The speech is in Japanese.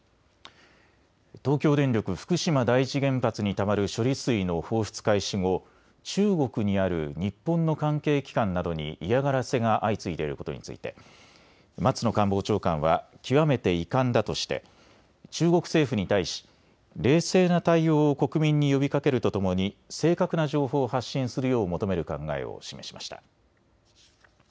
東京電力福島第一原発にたまる処理水の放出開始後、中国にある日本の関係機関などに嫌がらせが相次いでいることについて松野官房長官は極めて遺憾だとして中国政府に対し冷静な対応を国民に呼びかけるとともに正確な情報を発信するよう求める考えを示しました。